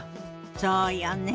そうよね。